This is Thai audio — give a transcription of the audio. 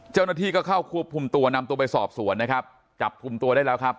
เจ้าหน้าที่ก็เข้าควบคุมตัวนำตัวไปสอบสวนนะครับจับกลุ่มตัวได้แล้วครับ